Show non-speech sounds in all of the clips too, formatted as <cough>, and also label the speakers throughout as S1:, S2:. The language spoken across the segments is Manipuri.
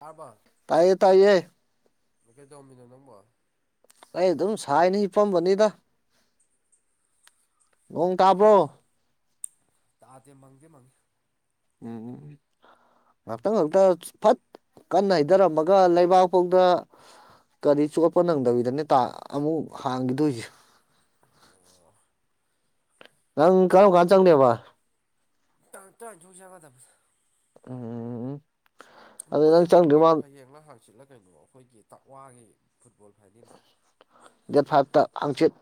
S1: ꯇꯥꯔꯕ
S2: ꯇꯥꯏꯌꯦ ꯇꯥꯏꯌꯦ
S1: ꯑꯩꯈꯦ ꯆꯧꯃꯤꯟꯅꯣꯅ ꯍꯕ
S2: ꯑꯩ ꯑꯗꯨꯝ ꯁꯥꯏꯅ ꯍ ꯐꯝꯕꯅꯤꯗ ꯉꯣꯡ ꯇꯥꯕ꯭ꯔꯣ
S1: ꯇ ꯑꯗ ꯃꯪꯗ ꯃꯉ
S2: ꯎꯝ ꯉꯥꯛꯇ ꯉꯥꯛꯇ ꯐꯠ ꯀꯟꯅ ꯍꯩꯊꯔꯝꯃꯒ ꯂꯩꯕꯥꯛꯐꯥꯎꯗ ꯀꯔꯤ ꯆꯣꯠꯄ ꯅꯪꯗꯕꯤꯗꯅꯦ ꯇ ꯑꯃꯨꯛ ꯍꯥꯡꯈꯤꯗꯣꯏꯁꯦ
S1: ꯑꯣ
S2: ꯅꯪ ꯀꯔꯝ ꯀꯥꯟ ꯆꯪꯗꯕ
S1: ꯇ ꯊꯖꯁꯥ ꯀꯗꯕ
S2: ꯎꯝ ꯑꯗꯨ
S1: ꯄꯣꯟ
S2: ꯅꯪ
S1: ꯌꯦꯡꯕꯣꯟꯁꯨ
S2: ꯆꯪꯗ꯭ꯔꯤ
S1: ꯀꯩꯅꯣ
S2: ꯃꯥꯜ
S1: ꯍꯥꯏꯌꯦꯡ ꯍꯦ ꯁꯤꯠꯂ ꯀꯩꯅꯣ ꯑꯩꯈꯣꯏꯒꯤ ꯇꯛꯋꯥꯒꯤ ꯐꯨꯠꯕꯣꯜ ꯐꯥꯏꯅꯦꯜꯗꯣ
S2: ꯗꯦꯠ ꯐꯥꯏꯚꯇ ꯑꯪꯆꯤꯠ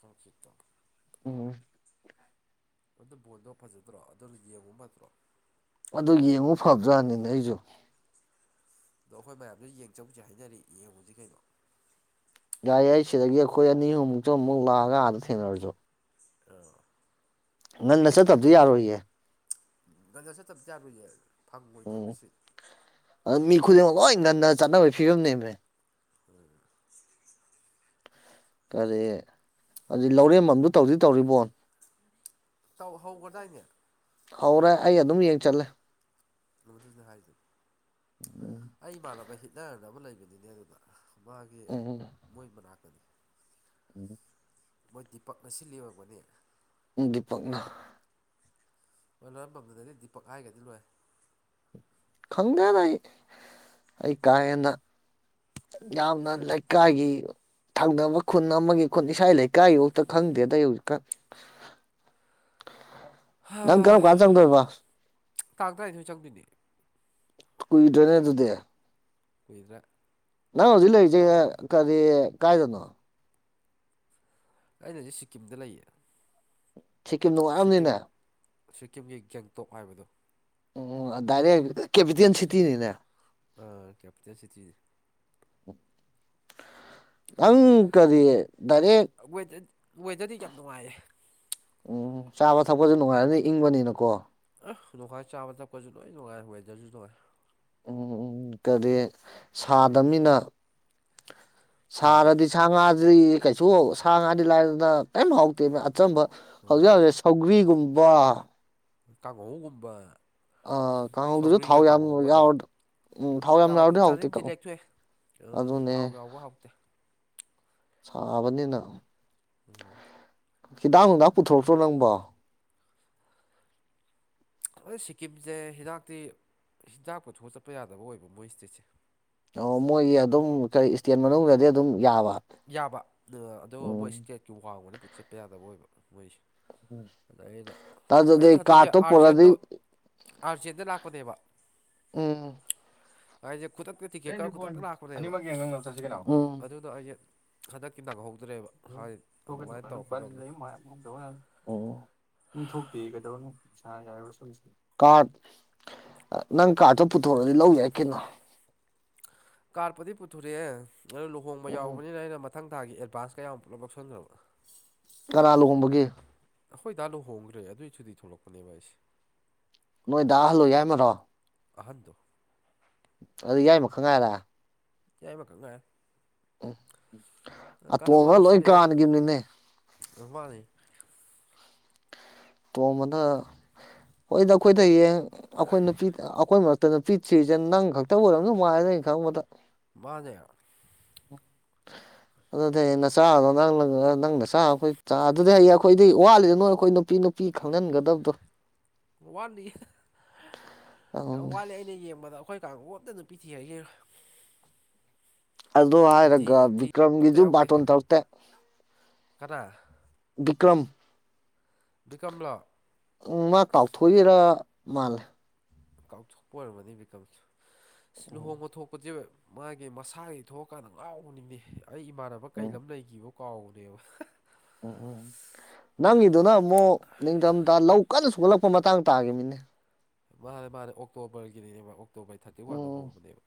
S1: ꯍꯣꯡꯈꯤꯗꯣ
S2: ꯎꯝ
S1: ꯑꯗꯨ ꯕꯣꯜꯗꯣ ꯐꯖꯗ꯭ꯔꯣ ꯑꯗꯨ ꯌꯦꯡꯉꯨ ꯅꯠꯇ꯭ꯔꯣ
S2: ꯑꯗꯨ ꯌꯦꯡꯉꯨ ꯐꯕꯖ꯭ꯔꯥꯅꯤꯅꯦ ꯑꯩꯁꯨ
S1: ꯑꯗꯣ ꯑꯩꯈꯣꯏ ꯃꯌꯥꯝꯗ ꯌꯦꯡ ꯆꯧꯁꯦ ꯍꯥꯏꯅꯔꯤ ꯌꯦꯡꯉꯨꯁꯤ ꯀꯩꯅꯣ
S2: ꯌꯥꯏ ꯑꯩ ꯁꯤꯗꯒꯤ ꯑꯩꯈꯣꯏ ꯑꯅꯤ ꯑꯨꯝꯃꯨꯛꯛꯇ ꯑꯃꯨꯛ ꯂꯥꯛꯑꯒ ꯑꯥꯗ ꯊꯦꯡꯅꯔꯁꯨ ꯅꯪꯅ ꯆꯠꯇꯕꯗꯤ ꯌꯥꯔꯣꯏꯌꯦ
S1: ꯒꯟꯗ ꯆꯠꯇꯕꯗꯤꯥꯗꯌꯦ ꯐꯪꯉꯣꯏꯗꯣꯏ
S2: ꯎꯝ
S1: ꯅꯁꯤ
S2: ꯑꯗꯨ ꯃꯤ ꯈꯨꯗꯤꯡꯃꯛ ꯂꯣꯏ ꯉꯟꯅ ꯆꯠꯅꯕꯒꯤ ꯐꯤꯕꯝꯅꯦꯕꯅꯦ
S1: ꯎꯝ
S2: ꯀꯔꯤ ꯑꯗꯨꯗꯤ ꯂꯧꯔꯦꯝꯐꯝꯝꯗꯨ ꯇꯧꯗꯤ ꯇꯧꯔꯤꯕꯣ
S1: ꯇ ꯍꯧꯒꯗꯏꯅꯦ
S2: ꯍꯧꯧꯔꯦ ꯑꯩ ꯑꯗꯨꯝ ꯌꯦꯡ ꯆꯜꯂꯦ
S1: ꯍꯥꯏꯗ ꯑꯩ ꯏꯃꯥꯟꯅꯕ ꯍꯤꯠꯅꯔꯅ ꯑꯃ ꯂꯩꯕꯅꯤꯅꯦ ꯑꯗꯨꯗ ꯃꯥꯒꯤ ꯃꯣꯏ ꯃꯅꯥꯛꯇꯅꯤ
S2: ꯎꯝ
S1: ꯃꯣꯏ ꯗꯤꯄꯛ ꯉ ꯁꯤꯜꯂꯤꯔꯛꯄꯅꯦ
S2: ꯄꯛꯅ
S1: ꯍ ꯂꯣꯏꯔꯝꯕꯗꯨꯗꯗꯤ ꯗꯤꯄꯛ ꯍꯥꯏꯒꯗꯤ ꯂꯣꯏ
S2: ꯈꯪꯒꯅ ꯑꯩ ꯀꯥꯏꯅ ꯌꯥꯝ ꯅ ꯂꯩꯀꯒꯤ ꯊꯪꯅꯕ ꯈꯨꯟ ꯑꯃꯒꯤ ꯈꯨꯟ ꯏꯁꯥ ꯂꯩꯀꯥꯏꯐꯥꯎꯇ ꯈꯪꯗꯦꯗ ꯍꯧꯖꯤꯛꯀꯥꯟ ꯅꯪ ꯀꯩꯅꯣ ꯀꯥꯟ ꯆꯪꯗꯧꯔꯤꯕ
S1: ꯀꯥꯇ꯭ꯔꯏꯗꯣꯏ ꯆꯪꯗꯣꯏꯅꯦ
S2: ꯀꯣꯏ ꯗꯔꯅꯦꯗꯨꯗ
S1: ꯀꯨꯏꯗ꯭ꯔꯥ
S2: ꯅꯅꯥ ꯏꯂꯦ ꯀꯔꯤ ꯀꯥꯏꯗꯅꯣ
S1: ꯑꯩꯅꯖꯤ ꯁꯤꯀꯤꯝꯗ ꯂꯩꯌꯦ
S2: ꯁꯤꯤꯀꯤꯝ ꯅꯅꯨꯡꯉꯑꯕꯅꯤꯅ
S1: ꯁꯤꯀꯤꯝꯒꯤ ꯒꯦꯡꯇꯣꯛ ꯍꯥꯏꯕꯗꯨ
S2: ꯑꯣ ꯗꯥꯏꯔꯦꯛ ꯀꯦꯄꯤꯇꯦꯜ ꯁꯤꯇꯤꯅꯤꯅꯦ
S1: ꯥ ꯀꯦꯄꯤꯇꯦꯜ ꯁꯤꯇꯤ
S2: <unintelligible> ꯅꯪ ꯀꯔꯤꯌꯦ ꯗꯥꯏꯔꯦꯛ
S1: ꯋꯦꯗꯔꯗꯤ ꯌꯥꯝ ꯅꯨꯡꯉꯥꯏꯌꯦ
S2: ꯎꯝ ꯆꯥꯕ ꯊꯛꯄꯁꯨ ꯅꯨꯡꯉꯥꯏꯔꯅꯤ ꯏꯪꯕꯅꯤꯅꯀꯣ
S1: ꯣꯡꯈꯥꯏ ꯆꯥꯕ ꯊꯛꯄꯁꯨ ꯂꯣꯏ ꯅꯨꯡꯉꯥꯏ ꯋꯦꯗꯔꯁꯨ ꯅꯨꯡꯉꯥꯏ
S2: ꯎꯝ ꯎꯝ ꯀꯔꯤ ꯁꯥꯗꯅꯤꯅ
S1: ꯁꯥꯗꯦ
S2: ꯁꯔꯗꯤ ꯁꯉ ꯑꯗꯨꯗꯤ ꯀꯩꯁꯨ ꯁꯥ ꯉꯥꯗꯤ ꯂꯥꯏꯔꯅ ꯀꯔꯤꯝ ꯍꯥꯎꯇꯦ ꯑꯆꯝꯕ ꯍꯧꯖꯤꯛ ꯍꯧꯖꯤꯛ ꯁꯧꯒ꯭ꯔꯤꯒꯨꯝꯕ ꯋꯥ
S1: ꯇꯒ ꯀꯨꯝꯕ
S2: ꯑ ꯀꯥꯡꯗꯨꯁꯨ ꯊꯥꯎ ꯌꯥꯝ ꯌꯥꯎꯗ꯭ꯔ
S1: ꯌꯥꯎꯔꯗꯤ ꯆꯥꯖꯡꯗꯤ ꯂꯦꯛꯆꯑꯦ ꯊꯥꯎ
S2: ꯑꯗꯨꯅꯦ
S1: ꯌꯥꯎꯕ ꯍꯥꯎꯇꯦ
S2: ꯁꯥꯕꯅꯤꯅ
S1: ꯎꯝ
S2: ꯈꯤꯇꯪ ꯍꯅꯨꯡꯗꯥꯛ ꯄꯨꯊꯣꯔꯛꯇ꯭ꯔꯣ ꯅꯪꯕꯣ
S1: ꯑꯗꯨ ꯁꯤꯀꯤꯝꯁꯦ ꯍꯤꯗꯥꯛꯇꯤ ꯍꯤꯗꯥꯛ ꯄꯨꯨꯊꯑ ꯆꯠꯄ ꯌꯥꯗꯕ ꯑꯣꯏꯕ ꯃꯣꯏ ꯏꯁꯇꯦꯠꯁꯦ
S2: ꯑꯣ ꯃꯣꯏꯒꯤ ꯑꯗꯨꯝ ꯀꯔꯤ ꯏꯁꯇꯦꯟ ꯃꯅꯨꯡꯗꯗꯤ ꯑꯗꯨꯝ ꯌꯥꯕ
S1: ꯌꯥꯕ ꯑꯗꯨꯒ ꯃꯣꯏ
S2: ꯎꯝ
S1: ꯏꯁꯇꯦꯠꯀꯤ ꯋꯥꯡꯃꯅ ꯆꯠꯄ ꯌꯥꯗꯕ ꯑꯣꯏꯕ ꯃꯣꯏꯁꯦ ꯑꯗ ꯑꯩꯅ
S2: ꯇ ꯑꯗꯨꯗ ꯀꯥꯇꯣ ꯄꯣꯔꯥꯗꯤ
S1: ꯑꯔ ꯆꯗ ꯂꯥꯛꯄꯗꯦꯕ
S2: ꯎꯝ
S1: ꯈꯨꯗꯛꯇ ꯇꯤꯀꯦꯠꯀꯔ ꯈꯨꯗꯛꯇ ꯂꯥꯛꯄꯅꯦꯕ
S2: ꯑꯅꯤꯃꯛ ꯌꯦꯡꯉꯒ ꯆꯠꯁꯤ ꯀꯩꯅꯣ ꯎꯝ
S1: ꯑꯗꯨꯗ ꯑꯩꯁꯦ ꯍꯟꯗꯛꯀꯤ ꯂꯥꯛꯈꯍꯧ
S2: ꯁ ꯂ ꯃꯌꯥꯝꯗ ꯅꯤꯡꯊꯣꯛꯇꯦ ꯀꯩꯗꯧꯅꯤꯥ ꯀ ꯅꯪ ꯀꯥꯔꯠꯇꯣ ꯄꯨꯊꯣꯔꯑꯗꯤ ꯂꯧ ꯌꯥꯏ ꯀꯩꯅꯣ
S1: ꯀꯥꯔꯄꯗꯤ ꯄꯨꯊꯣꯔꯛꯑꯦ ꯑꯗꯨ ꯂꯨꯍꯣꯡꯕ
S2: ꯎꯝ
S1: ꯌꯥꯎꯕꯅꯤꯅ ꯑꯩꯅ ꯃꯊꯪ ꯊꯥꯒꯤ ꯑꯦꯗꯚꯥꯟꯁ ꯀꯌꯥꯃꯨꯛ ꯄꯨꯂꯞ ꯂꯧꯁꯤꯟꯈ꯭ꯔꯣ
S2: ꯀꯔꯥ ꯂꯨꯍꯣꯡꯕꯒꯦ
S1: ꯍꯣꯏ ꯗꯥꯥ ꯂꯨ ꯍꯣꯡꯈ꯭ꯔꯦ ꯑꯗꯨꯑꯣꯏꯁꯨꯗꯤ ꯊꯣꯛꯂꯛꯄꯅꯦꯕ ꯑꯩꯁꯦ
S2: ꯅꯣꯏꯗ ꯍꯜꯂꯨꯏ ꯌꯥꯏꯃꯔꯣ
S1: ꯑꯍꯟꯗꯨ
S2: ꯑꯗꯨ ꯌꯥꯏꯃ ꯈꯪ ꯉꯥꯏꯔ
S1: ꯌꯥꯦꯃ ꯀꯒ
S2: ꯎ ꯑꯇꯣꯝꯕꯒ ꯂꯣꯏ ꯀꯥꯟꯅꯈꯤꯕꯅꯤꯅꯦ
S1: ꯏꯃꯅꯤ
S2: ꯇꯣꯝꯕꯗ ꯍꯣꯏꯗ ꯑꯩꯈꯣꯏꯗꯌꯦꯡ ꯑꯩꯈꯣꯏ ꯅꯨꯄꯤꯗ ꯑꯩꯈꯣꯏ ꯇꯅ ꯄꯤꯛꯁꯤ꯭ꯔꯤꯁꯦ ꯅꯪ ꯈꯛꯇ ꯑꯣꯏꯔꯕꯝꯅ ꯃꯥꯏꯗꯩꯅ ꯈꯪꯕꯗ
S1: ꯃꯥꯗꯦ
S2: ꯎ ꯑꯗꯨꯗꯤ ꯅꯆꯥꯗꯣ ꯅꯪ ꯅꯪꯅ ꯆꯥ ꯑꯩꯈꯣꯏ ꯑꯗꯨꯗꯤ ꯍꯌꯦꯡ ꯑꯩꯈꯣꯏꯗꯤ ꯋꯥꯠꯂꯤꯗ ꯅꯣꯏ ꯑꯩꯈꯣꯏ ꯅꯨꯄꯤ ꯅꯨꯄꯤ ꯄꯤꯤ ꯈꯪꯍꯟꯒꯗꯕꯗꯣ
S1: ꯋꯥꯠꯂꯤ ꯌꯥꯝ
S2: ꯑꯗꯨꯅꯦ
S1: ꯋꯥꯠꯂꯦ ꯑꯩꯅ ꯌꯦꯡꯕꯗ ꯑꯩꯈꯣꯏ ꯀꯥꯡꯝꯇꯅ ꯄꯤꯊꯤ ꯍꯥꯏꯒꯦꯔ
S2: ꯑꯗꯨ ꯍꯥꯏꯔꯒ
S1: ꯑꯝꯇ
S2: ꯕꯤꯀ꯭ꯔꯝꯒꯤꯁꯨ
S1: ꯌꯥꯎꯗꯦ
S2: ꯕꯥꯇꯣꯟ ꯊꯣꯛꯧꯇꯦ
S1: ꯀꯅꯥ
S2: ꯕꯤꯀ꯭ꯔꯝ
S1: ꯕꯤꯀꯝꯂꯣ
S2: ꯎ ꯃꯥ ꯇꯥꯎꯊꯣꯛꯏꯔꯥ ꯃꯥꯜ
S1: ꯀꯥꯎꯊꯣꯛꯄ ꯑꯣꯏꯔꯝꯃꯅꯤ ꯕꯤꯀꯝ
S2: ꯎꯝ
S1: ꯂꯨꯍꯣꯡꯕ ꯊꯣꯛꯄꯗꯤ ꯃꯥꯒꯤ ꯃꯁꯥꯁꯤ ꯊꯣꯛꯑꯀꯥꯟꯗ ꯉꯥꯎꯕꯅꯤꯅꯤ ꯑꯩ ꯏꯃꯥꯟꯅꯕ ꯀꯩ
S2: ꯎꯝ
S1: ꯂꯝ ꯂꯩꯈꯤꯕ ꯀꯥꯎꯔꯦꯕ
S2: ꯎꯝ ꯎꯝ ꯅꯪꯒꯤꯗꯨꯅ ꯑꯃꯨꯛ ꯅꯤꯡꯊꯝꯊꯥ ꯂꯧ ꯀꯟꯅ ꯁꯣꯛꯒꯠꯂꯛꯄ ꯃꯇꯥꯡ ꯇꯥꯈꯤꯕ ꯃꯤꯅꯦ
S1: ꯃꯥꯅꯦ ꯃꯥꯅꯦ ꯑꯣꯛꯇꯣꯕꯔꯒꯤꯅꯤꯅꯦ ꯃꯥ ꯑꯣꯛꯇꯣꯕꯔ ꯊꯥꯔꯇꯤ ꯋꯥꯟꯗ
S2: ꯎꯝ
S1: ꯍꯣꯡꯕꯅꯦꯕ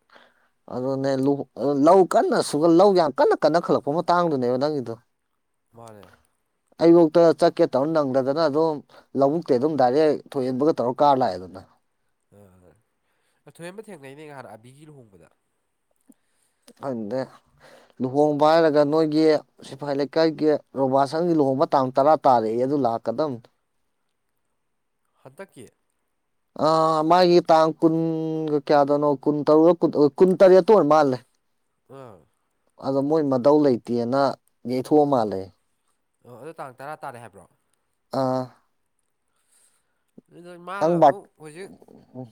S2: ꯑꯗꯨꯅꯦ ꯂꯨ ꯂꯧ ꯀꯟꯅ ꯁꯨ ꯂꯧ ꯌꯥꯝ ꯀꯟꯅ ꯀꯟꯅ ꯈꯠꯂꯛꯄ ꯃꯇꯥꯡꯗꯨꯅꯦꯕ ꯅꯪꯒꯤꯗꯣ
S1: ꯃꯥꯅꯦ
S2: ꯑꯩꯐꯣꯛꯇ ꯆꯠꯀꯦ ꯇꯧꯔ ꯅꯪꯗꯗꯅ ꯑꯗꯨꯝ ꯂꯧꯕꯨꯛꯇꯤ ꯑꯗꯨꯝ ꯗꯥꯏꯔꯦꯛ ꯊ ꯊꯣꯛꯍꯟꯕꯒ ꯇꯧꯔ ꯀꯥꯔ ꯂꯥꯛꯑꯦꯗꯅ
S1: ꯑ ꯑ ꯊꯣꯏꯍꯦꯟꯕ ꯊꯦꯡꯅꯩꯅꯦ ꯉꯍꯥꯟ ꯑꯕꯤꯒꯤ ꯂꯨꯍꯣꯡꯕꯗ
S2: ꯑꯗꯨꯗ ꯂꯨꯍꯣꯡꯕ ꯍꯥꯏꯔꯒ ꯅꯣꯏꯒꯤ ꯁꯤꯐꯥꯏ ꯂꯩꯀꯥꯏꯒꯤ ꯔꯣꯕꯥꯁꯪꯒꯤ ꯂꯣꯡꯕ ꯇꯥꯡ ꯇꯔꯥ ꯇꯥꯔꯛꯑꯦ ꯑꯗꯨ ꯂꯥꯛꯀꯗꯕ
S1: ꯍꯇꯀꯤ
S2: ꯑ ꯃꯥꯒꯤ ꯇꯥꯡ ꯀꯨꯟꯒ ꯀꯌꯥꯗꯅꯣ ꯀꯨꯟ ꯇꯔꯨꯛ ꯀꯨꯟ ꯇꯔꯦꯠ ꯑꯗꯨ ꯑꯣꯏ ꯃꯥꯜꯂꯦ
S1: ꯎꯝ
S2: ꯑꯗꯣ ꯃꯣꯏ ꯃꯇꯧ ꯂꯩꯇꯦꯅ ꯌꯩꯊꯣꯛꯑ ꯃꯥꯜꯂꯦ
S1: ꯑꯣ ꯑꯗꯨꯗꯣ ꯇꯥꯡ ꯇꯔꯥ ꯇꯥꯔꯦ ꯍꯥꯏꯕ꯭ꯔꯣ
S2: ꯑꯥ
S1: ꯑꯗꯨ ꯃꯥꯂ
S2: ꯕꯥꯔ
S1: ꯑꯃꯨꯛ ꯍꯧꯖꯤꯛ
S2: ꯎꯝ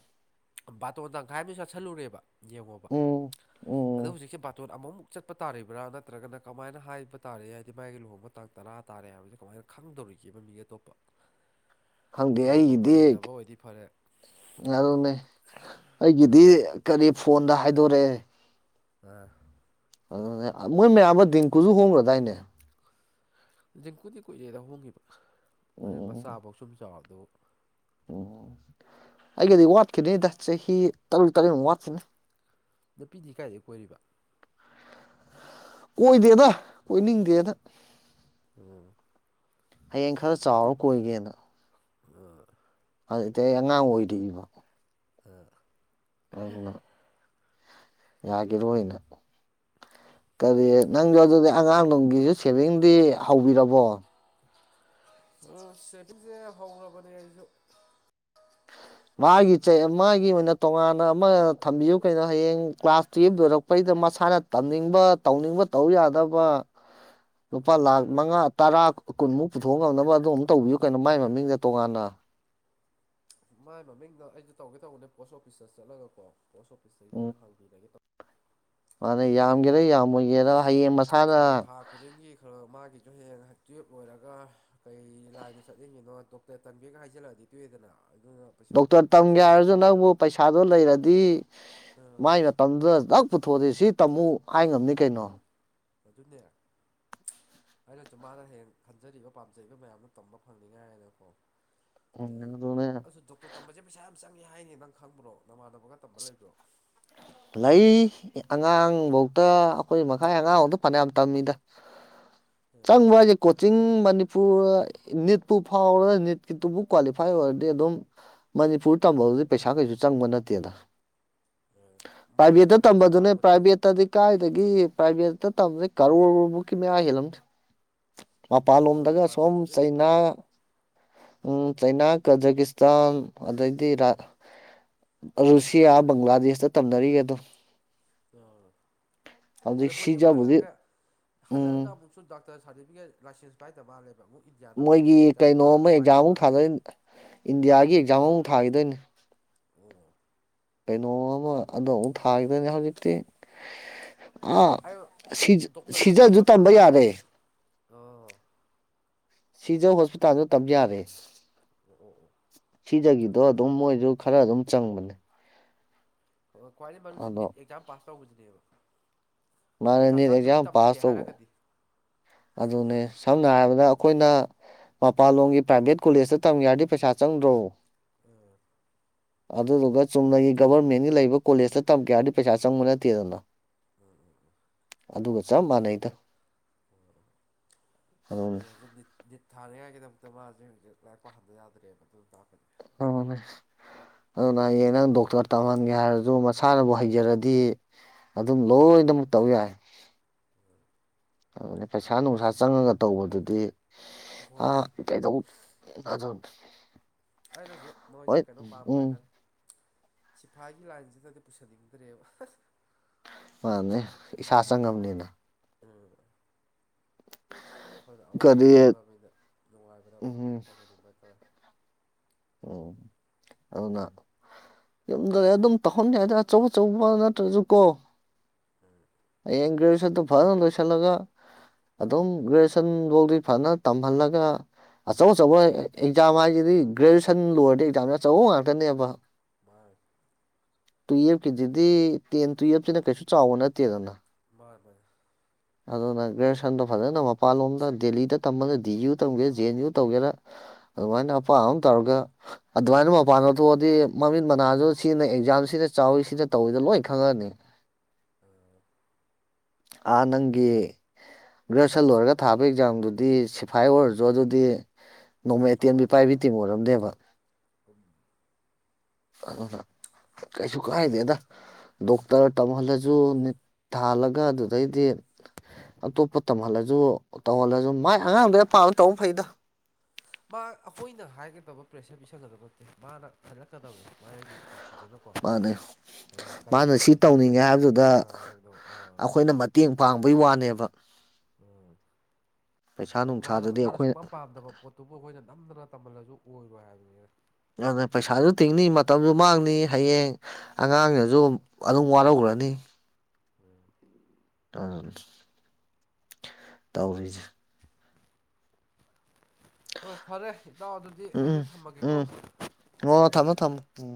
S1: ꯕꯥꯇꯣꯟ ꯇꯪꯈꯥꯏ ꯑꯃꯁꯨ ꯆꯥꯁꯤꯜꯂꯨꯔꯦꯕ ꯌꯦꯡꯉꯣꯕ
S2: ꯎꯝ ꯎꯝ
S1: ꯑꯗꯣ ꯍꯧꯖꯤꯛꯁꯦ ꯕꯥꯇꯣꯟ ꯑꯃꯨꯛ ꯆꯠꯄ ꯇꯥꯔꯤꯕ꯭ꯔꯥ ꯅꯠꯇ꯭ꯔꯒꯅ ꯀꯃꯥꯏꯅ ꯍꯥꯏꯕ ꯇꯥꯔꯦ ꯍꯥꯏꯗꯤ ꯃꯥꯒꯤ ꯂꯨꯍꯣꯡꯕ ꯇꯥꯡ ꯇꯔꯥ ꯇꯥꯔꯦ ꯍꯥꯏꯕꯕꯁꯤꯦ ꯀꯃꯥꯏꯅ ꯈꯪꯗꯕ ꯇꯧꯈꯤꯕ ꯃꯤ ꯑꯇꯣꯞꯄ
S2: ꯈꯪꯗꯦ
S1: ꯐꯣꯟ
S2: ꯑꯩꯒꯤꯗꯤ
S1: ꯅꯝꯕꯔ ꯂꯩꯅꯕ ꯑꯣꯏꯗꯤ ꯐꯔꯦ
S2: ꯌꯥꯅꯦ ꯑꯩꯒꯤꯗꯤ ꯀꯔꯤ ꯐꯣꯟꯗ ꯍꯥꯏꯗꯣꯔꯦ
S1: ꯎ
S2: ꯑꯗꯨ ꯃꯣꯏ ꯃꯌꯥꯝ ꯑꯃ ꯦꯡꯀꯨꯁꯨ ꯍꯣꯡꯈ꯭ꯔꯗꯥꯏꯅꯦ
S1: ꯤꯡꯀꯨꯗꯤ ꯀꯨꯏꯔꯦꯗ ꯍꯣꯡꯉꯤꯕ
S2: ꯎꯝ ꯎꯝ
S1: ꯃꯆꯥꯐꯧ ꯁꯨꯝ ꯆꯥꯎꯕꯗꯣ
S2: ꯎꯝ ꯑꯩꯒꯤꯗꯤ ꯋꯥꯠꯈꯤꯗꯅꯤꯗ ꯆꯍꯤ ꯇꯔꯨꯛ ꯇꯔꯦꯃꯨꯛ ꯋꯥꯠꯁꯤꯅꯦ
S1: ꯅꯨꯄꯤꯗꯤ ꯀꯥꯏꯗꯒꯤꯩ ꯀꯣꯏꯔꯤꯕ
S2: ꯀꯣꯏꯗꯦꯗ ꯀꯣꯏꯅꯤꯡꯗꯦꯗ
S1: ꯎꯝ
S2: ꯍꯌꯦꯡ ꯈꯔ
S1: ꯅꯨ
S2: ꯆꯥꯎꯔ ꯀꯣꯏꯒꯦꯅ
S1: ꯑ
S2: ꯑꯉꯥꯡ ꯑꯣꯏꯔꯤꯕ
S1: ꯑ
S2: ꯑꯗꯨꯅ ꯌꯥꯒꯤꯔ ꯑꯣꯏꯅ ꯀꯔꯤ ꯅꯪꯗꯤ ꯑꯗꯨꯗꯤ ꯑꯉꯥꯡꯂꯣꯝꯒꯤꯁꯨ ꯁꯦꯚꯦꯡꯗꯤ ꯍꯧꯕꯤꯔꯕꯣ
S1: ꯎ ꯁꯦꯕꯤꯤꯡꯁꯦ ꯍꯧꯔꯕꯅꯦ ꯑꯩꯁꯨ
S2: <inaudible> ꯃꯥꯒꯤ ꯆꯩ ꯃꯥꯒꯤ ꯑꯣꯏꯅ ꯇꯣꯉꯥꯟꯅ ꯑꯃ ꯊꯝꯕꯤꯌꯨ ꯀꯩꯅꯣ ꯍꯌꯦꯡ ꯀ꯭ꯂꯥꯁ ꯇꯨꯌꯦꯜꯕ ꯂꯣꯏꯔꯛꯄꯩꯗ ꯃꯁꯥꯅ ꯇꯝꯅꯤꯡꯕ ꯇꯧꯅꯤꯡꯕ ꯇꯧ ꯌꯥꯗꯕ
S1: ꯑ
S2: ꯂꯨꯄꯥ ꯂꯥꯛ ꯃꯉꯥ ꯇꯔꯥ ꯀꯨꯟꯃꯨꯛ ꯄꯨꯊꯣꯛ ꯉꯝꯅꯕ ꯑꯗꯨꯝ ꯇꯧꯕꯤꯌꯨ ꯀꯩꯅꯣ ꯃꯥꯏ ꯃꯃꯤꯡꯗ ꯇꯣꯉꯥꯟꯅ <inaudible>
S1: ꯃꯥꯏ ꯃꯃꯤꯡꯅ ꯑꯩꯁꯨ ꯇꯧꯒꯦ ꯇꯧꯕꯅꯦ ꯄꯣꯁ ꯑꯣꯐꯤꯁꯇ ꯆꯠꯂꯒꯀꯣ ꯄꯣꯁ ꯑꯣꯐꯤꯁꯇꯒꯤ ꯑꯣꯏꯅ ꯍꯥꯡꯕꯤꯔꯒꯦ ꯇꯧꯕ
S2: ꯃꯥꯅꯦ ꯌꯥꯝꯒꯦꯔꯦ ꯌꯥꯝꯃꯒꯦꯔ
S1: ꯍꯣꯏ ꯊꯥ ꯈꯨꯗꯤꯡꯒꯤ ꯈꯔ ꯃꯥꯒꯤꯁꯨ ꯍꯦꯟꯅ ꯇꯨꯌꯦꯜꯞ ꯑꯣꯏꯔꯒ ꯀꯩ ꯂꯥꯏꯗ ꯆꯠꯅꯤꯡꯉꯤꯅꯣ ꯗꯣꯛꯇꯔ ꯇꯟꯕꯦꯒ ꯍꯥꯏꯖꯜꯂꯛꯑꯗꯤ ꯇꯨꯌꯦꯜꯞꯗꯅ
S2: ꯗꯣꯛꯇꯔ ꯇꯝꯒꯦ ꯍꯥꯏꯔꯁꯨ ꯅꯪꯕꯨ ꯄꯩꯁꯥꯗꯣ ꯂꯩꯔꯗꯤ
S1: ꯑꯥ
S2: ꯃꯥꯏ ꯃꯇꯝꯗꯨꯗ ꯗꯥꯛ ꯄꯨꯊꯣꯛꯑꯗꯤ ꯁꯤ ꯇꯝꯃꯨ ꯍꯥꯏ ꯉꯝꯅꯤ
S1: ꯎꯝ
S2: ꯀꯩꯅꯣ
S1: ꯑꯗꯨꯅꯦ ꯑꯩꯅ ꯆꯨꯝꯃꯅ ꯍꯌꯦ ꯈꯟꯖꯔꯤꯕ ꯄꯥꯝꯖꯔꯤꯕ ꯃꯌꯥꯝꯅ ꯇꯝꯕ ꯐꯪꯅꯤꯉꯥꯏ ꯅꯀꯣ
S2: ꯎꯝ ꯑꯗꯨꯅꯦ
S1: ꯗꯣꯛ ꯇꯝꯕꯖꯦ ꯄꯩꯁꯥ ꯌꯥꯝ ꯆꯪꯉꯦ ꯍꯥꯏꯅꯤ ꯅꯪ ꯈꯪꯕ꯭ꯔꯣ ꯅꯃꯥꯟꯅꯕꯒ ꯇꯝꯕꯒ ꯂꯩꯕ꯭ꯔꯣ
S2: ꯂꯩ ꯑꯉꯥꯡꯕꯧꯇ ꯑꯈꯣꯏ ꯃꯈꯥꯏ ꯑꯉꯥꯡꯎꯗ ꯐꯅꯌꯥꯝ ꯇꯝꯃꯤꯗ
S1: ꯑꯥ
S2: ꯆꯪꯕ ꯍꯥꯏꯁꯦ ꯀꯣꯆꯤꯡ ꯃꯅꯤ ꯄꯨꯔ ꯅꯤꯠꯄꯨ ꯐꯥꯎꯔꯒ ꯅꯤꯠꯀꯤꯗꯨꯕꯨ ꯀ꯭ꯋꯥꯂꯤꯐꯥꯏ ꯑꯣꯏꯔꯗꯤ ꯑꯗꯨꯝ ꯃꯅꯤꯄꯨꯔ ꯇꯝꯕ ꯑꯗꯩꯩ ꯄꯩꯁꯥ ꯀꯩꯁꯨ ꯆꯪꯕ ꯅꯠꯇꯦꯗ
S1: ꯑꯥ ꯃꯔꯝꯗꯤ
S2: ꯄ꯭ꯔꯥꯏꯚꯦꯠꯇ
S1: ꯅꯤꯠꯁꯦ
S2: ꯇꯝꯕꯗꯨꯅꯦ
S1: ꯐꯥꯎꯕꯗꯅꯦꯕ
S2: ꯄ꯭ꯔꯥꯏꯚꯦꯠꯇꯗꯤ ꯀꯥꯏꯗꯒꯤ ꯄ꯭ꯔꯥꯏꯚꯦꯠꯇ ꯇꯝꯕ ꯀꯔꯣꯔꯕꯨꯀꯤ ꯍꯥꯏꯂꯝ
S1: ꯍꯣꯏ
S2: ꯃꯄꯥꯟꯂꯣꯝꯗꯒ ꯁꯣꯝ
S1: ꯄ꯭ꯔꯥꯏꯚꯦꯠꯇꯗꯤ ꯀꯩꯁꯨ
S2: ꯆꯩꯅꯥ
S1: ꯉꯝꯃꯣꯏꯕ
S2: ꯎꯝ ꯆꯩꯅꯥ ꯀꯖꯀꯤꯁꯇꯥꯟ ꯑꯗꯩꯗꯤ ꯔꯥ
S1: ꯑꯥ
S2: ꯔꯨꯁꯤꯌꯥ ꯕꯪꯒ꯭ꯂꯥꯗꯦꯁꯇ ꯇꯝꯅꯔꯤꯒ ꯑꯗꯣ
S1: ꯑ ꯑꯗꯣ ꯃꯣꯏꯗꯤ ꯑꯃꯨꯛ
S2: ꯁꯤꯖꯕꯨꯗꯤ
S1: ꯍꯜꯂꯛꯑꯒ ꯍꯜꯂꯛꯑꯒ
S2: ꯎꯝ
S1: ꯑꯃꯨꯛꯁꯨ ꯗꯥꯛ ꯇꯔ ꯁꯥꯔꯗꯤꯕꯤꯀꯦꯠ ꯂꯥꯏꯁꯦꯟꯁ ꯄꯥꯥꯏꯗꯕ ꯃꯥꯂꯦ
S2: ꯃꯣꯏꯒꯤ ꯀꯩꯅꯣꯃ ꯑꯦꯛꯖꯥꯝꯃꯨꯛ
S1: ꯃꯥꯜꯂꯦꯕ
S2: ꯊꯥꯗꯣꯏꯅꯤ ꯏꯟꯗꯤꯌꯥꯒꯤ
S1: ꯎꯝ
S2: ꯑꯦꯛꯖꯥꯝꯃꯨꯛ ꯊꯥꯈꯤꯗꯣꯏꯅꯤ
S1: ꯑꯣ
S2: ꯀꯩꯅꯣ ꯑꯃ ꯑ ꯑꯃꯨꯛ ꯊꯥꯈꯤꯗꯣꯏꯅꯦ ꯍꯧꯖꯤꯛꯇꯤ ꯑꯥ
S1: ꯑꯩ
S2: ꯁꯤꯖ
S1: ꯗꯣꯛꯇꯔꯁꯨ
S2: ꯁꯤꯖꯁꯨ
S1: ꯑꯣꯏꯍꯟꯕ
S2: ꯇꯝꯕ
S1: ꯄꯥꯝꯕ
S2: ꯌꯥꯔꯦ
S1: ꯍꯥꯏꯇꯥꯔꯦ ꯑꯥ
S2: ꯁꯤꯖ ꯍꯣꯁꯄꯤꯇꯥꯜꯁꯨ ꯇꯝ ꯌꯥꯔꯦ
S1: ꯑꯣ ꯑꯣ ꯑꯣ
S2: ꯁꯤꯖꯒꯤꯗꯣ ꯑꯗꯨꯝ ꯃꯣꯏꯁꯨ ꯈꯔ ꯑꯗꯨꯝ ꯆꯪꯕꯅꯦ
S1: ꯑꯣ ꯈꯋ꯭ꯥꯏꯗꯩꯩ ꯃꯔꯨꯖꯦ
S2: ꯑꯗꯣ
S1: ꯅꯤꯠ ꯑꯦꯛꯖꯥꯝ ꯄꯥꯁ ꯇꯧꯗꯨꯅꯦꯕ
S2: ꯃꯥꯅꯦ ꯅꯤꯠ ꯑꯦꯛꯖꯥꯝ ꯄꯥꯁ ꯇꯧꯕ
S1: ꯍꯥꯏꯔꯒꯗꯤ
S2: ꯑꯗꯨꯅꯦ ꯁꯝꯅ ꯍꯥꯏꯔꯕꯗ
S1: ꯎꯝ
S2: ꯑꯩꯈꯣꯏꯅ ꯃꯄꯥꯟꯂꯣꯝꯒꯤ ꯄ꯭ꯔꯥꯏꯚꯦꯠ ꯀꯣꯂꯦꯖꯇ ꯇꯝꯒꯦ ꯍꯥꯏꯔꯗꯤ ꯄꯩꯁꯥ ꯆꯪꯗ꯭ꯔꯣ
S1: ꯑ
S2: ꯑꯗꯨꯗꯨꯒ ꯆꯨꯝꯅꯒꯤ ꯒꯕꯔꯃꯦꯟꯒꯤ ꯂꯩꯕ ꯀꯣꯂꯦꯖꯇ ꯇꯝ ꯀꯌꯥ ꯍꯥꯏꯔꯗꯤ ꯄꯩꯁꯥ ꯆꯪꯕ ꯅꯠꯇꯦꯗꯅ
S1: ꯎꯝ ꯎꯝ
S2: ꯑꯗꯨꯒ ꯆꯞ ꯃꯥꯟꯅꯩꯗ
S1: ꯑꯗꯨ
S2: ꯑꯗꯨꯅꯤ
S1: ꯍꯧꯖꯤꯛ ꯅꯤꯠ ꯅꯤꯠ ꯊꯥꯔꯤꯉꯥꯏꯒꯤꯗꯃꯛꯇ ꯃꯥ ꯍꯧꯁꯦ ꯍꯧꯖꯤꯛ ꯂꯥꯏꯛꯄ ꯍꯟꯕ ꯌꯥꯗ꯭ꯔꯦꯕ ꯑꯗꯨꯟ ꯇꯥꯛ
S2: ꯑꯣ ꯅꯦꯁ ꯑꯗꯨꯅꯌꯦꯡ ꯅꯪ ꯗꯣꯛꯇꯔ ꯇꯝꯍꯟꯒꯦ ꯍꯥꯏꯔꯁꯨ ꯃꯁꯥꯅꯕꯨ ꯍꯩꯖꯔꯗꯤ ꯑꯗꯨꯝ ꯂꯣꯏ ꯗꯨꯝ
S1: ꯎꯝ
S2: ꯇꯧ ꯌꯥꯏ ꯗꯨꯅ ꯄꯩꯁꯥ ꯅꯨꯡꯁꯥ ꯆꯪꯉꯒ ꯇꯧꯕꯗꯨꯗꯤ ꯑ
S1: ꯍꯣꯏ ꯍꯣꯏ
S2: ꯀꯩ ꯗꯧ ꯐꯗꯨꯟ
S1: ꯑꯩꯅꯁꯨ ꯃꯣꯏꯁꯦ ꯀꯩꯅꯣ ꯄꯥꯝꯕ
S2: ꯎꯝ
S1: ꯍꯥꯏꯇꯥꯔꯦ ꯁꯤꯐꯥꯏꯒꯤ ꯂꯥꯏꯟꯁꯤꯗꯗꯤ ꯄꯨꯁꯟꯅꯤꯡꯗ꯭ꯔꯦꯕ
S2: ꯃꯥꯅꯦ ꯏꯁꯥ ꯆꯪꯉꯝꯅꯤꯅ
S1: ꯎꯝ ꯑꯈꯣꯏꯅ ꯑꯋꯥꯕꯗꯨ
S2: ꯀꯔꯤ
S1: ꯈꯪꯉꯃꯤꯅ ꯅꯨꯡꯉꯥꯏꯕꯗ ꯇꯝꯍꯟꯅꯤꯡꯕ ꯍꯥꯏꯇꯥꯔꯦ
S2: ꯑꯣ ꯑꯗꯨꯅ ꯌꯨꯝꯗ ꯑꯗꯨꯝ ꯇꯧꯍꯟꯅꯤꯡꯦ ꯍꯥꯏꯗꯦ ꯑꯆꯧ ꯑꯆꯧꯕ ꯅꯠꯇ꯭ꯔꯁꯨ ꯀꯣ ꯌꯦꯡꯒꯁꯗ ꯐꯔ ꯂꯣꯁꯂꯒ ꯑꯗꯨꯝ ꯒ꯭ꯔꯦꯖꯨꯌꯦꯁꯟ ꯐꯧꯗꯤ ꯐꯖꯅ ꯇꯝꯍꯜꯂꯒ ꯑꯆꯧ ꯑꯆꯧꯕ ꯑꯦꯛꯖꯥꯝ ꯍꯥꯏꯁꯤꯗꯤ ꯒ꯭ꯔꯦꯖꯨꯑꯦꯁꯟ ꯂꯣꯏꯔꯗꯤ ꯑꯦꯛꯖꯥꯝꯅꯦ ꯑꯆꯧꯕ ꯉꯥꯛꯇꯅꯦꯕ
S1: ꯁ
S2: ꯇꯨꯌꯦꯜꯐꯀꯤꯁꯤꯗꯤ ꯇꯦꯟ ꯇꯨꯌꯦꯜꯞꯁꯤꯅ ꯀꯩꯁꯨ ꯆꯥꯎꯕ ꯅꯠꯇꯦꯗꯅ
S1: ꯃꯥꯅꯦ
S2: ꯑꯗꯨꯅ ꯒ꯭ꯔꯦꯖꯨꯑꯦꯁꯟꯗꯣ ꯐꯖꯅ ꯃꯄꯥꯟ ꯂꯣꯝꯗ ꯗꯦꯜꯂꯤꯗ ꯇꯝꯕꯗ ꯗꯤ ꯏꯨ ꯇꯝꯒꯦꯔꯥ ꯖꯦ ꯑꯦꯟ ꯏꯨ ꯇꯧꯒꯦꯔꯥ ꯑꯗꯨꯃꯥꯏꯅ ꯑꯄꯥ ꯑꯝ ꯇꯧꯔꯒ ꯑꯗꯨꯃꯥꯏꯅ ꯃꯄꯥꯟꯗ ꯊꯣꯛꯑꯗꯤ ꯃꯃꯤꯠ ꯃꯅꯥꯁꯨ ꯁꯤꯖꯤꯅ ꯑꯦꯛꯖꯥꯝ ꯁꯤ ꯆꯥꯎꯋꯤ ꯁꯤꯅ ꯇꯧꯋꯤꯗ ꯂꯣꯏ ꯈꯪꯉꯅꯤ ꯑ ꯅꯪꯒꯦ ꯒ꯭ꯔꯦꯖꯨꯑꯌꯦꯁꯟ ꯂꯣꯏꯔꯒ ꯊꯥꯕ ꯑꯦꯛꯖꯥꯝꯗꯨꯗꯤ ꯁꯤꯐꯥꯏ ꯑꯣꯏꯔꯁꯨ ꯑꯗꯨꯗꯤ ꯅꯣꯡꯃꯩ ꯑꯇꯦꯟꯕꯤ ꯄꯥꯏꯕꯤ
S1: ꯆꯥꯎꯔꯛꯑꯅꯦꯕ
S2: ꯇꯤ ꯑꯣꯏꯔꯝꯅꯦꯦꯕ ꯑ ꯀꯩꯁꯨ ꯀꯥꯏꯅꯦꯗꯥ ꯗꯣꯛꯇꯔ ꯇꯂ ꯁꯨꯠ ꯊꯥꯜꯂꯒ ꯑꯗꯨꯗꯩꯗꯤ ꯑꯇꯣꯞꯄ ꯇꯝꯍꯜꯂꯁꯨ ꯇꯧꯍꯜꯂꯁꯨ ꯃꯥꯏ ꯑꯉꯥꯡꯗꯨꯗ ꯄꯥꯕ ꯇꯧꯕ ꯐꯩꯗ
S1: ꯃꯥ ꯑꯩꯈꯣꯏꯅ ꯍꯥꯏꯒꯗꯕ ꯄ꯭ꯔꯦꯁꯔ ꯄꯤꯁꯟꯒꯗꯕ ꯅꯠꯇꯦ ꯃꯥꯅ ꯍꯜꯂꯛꯀꯗꯕꯅꯤ ꯃꯥꯒꯤ ꯄꯨꯟꯁꯤꯗꯨꯅꯀꯣ
S2: ꯃꯥꯅꯦ
S1: ꯀꯔꯤ
S2: ꯃꯥꯅ ꯁꯤ
S1: ꯇꯧꯁꯤꯒꯦ
S2: ꯇꯧꯅꯤꯡꯉꯦ
S1: ꯀꯔꯤ ꯇꯧꯁꯤꯒꯦ
S2: ꯍꯥꯏꯕꯗꯨꯗ
S1: ꯍꯥꯏꯕꯗꯣ ꯑꯥ
S2: ꯑꯩꯈꯣꯏꯅ ꯃꯇꯦꯡ ꯄꯥꯡꯕꯩ ꯋꯥꯅꯦꯕ
S1: ꯎꯝ
S2: ꯄꯩꯁꯥ
S1: ꯑꯣ ꯃꯥꯅ
S2: ꯅꯨꯡꯁꯥꯗꯨꯗꯤ
S1: ꯃꯁꯥꯅ
S2: ꯑꯩꯈꯣꯏꯅ
S1: ꯁꯨꯡꯄꯝ ꯄꯥꯝꯗꯕ ꯄꯣꯠꯇꯨꯕꯨ ꯑꯩꯈꯣꯏꯅ ꯅꯝꯗꯅ ꯇꯝꯍꯜꯂꯁꯨ ꯑꯣꯏꯔꯣꯏ ꯍꯥꯏꯕꯅꯤꯅ
S2: ꯄꯩꯁꯥꯁꯨ ꯇꯤꯡꯅꯤ ꯃꯇꯝꯁꯨ ꯃꯥꯡꯅꯤ ꯍꯌꯦꯡ ꯑꯉꯥꯡꯅꯁꯨ ꯑꯗꯨꯝ ꯋꯥꯔꯈ꯭ꯔ ꯑꯅꯤ
S1: ꯎꯝ
S2: ꯑ ꯇꯧꯔꯤꯁ
S1: ꯍꯣꯏ ꯐꯔꯦ ꯏꯇꯥꯎ ꯑꯗꯨꯗꯤ ꯑꯩꯁꯨ
S2: ꯎꯝ
S1: ꯊꯝꯃꯒꯦꯀꯣ
S2: ꯎꯝ
S1: ꯎꯝ
S2: ꯑꯣ
S1: ꯊꯝꯃꯦ
S2: ꯊꯝꯃꯣ
S1: ꯊꯝꯃꯦ
S2: ꯊꯝꯃꯣ ꯎꯝ